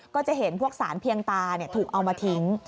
ก็จะเห็นพวกสารเพียงตาถูกเอามาทิ้ง